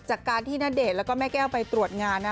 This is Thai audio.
จากการที่ณเดชน์แล้วก็แม่แก้วไปตรวจงานนะ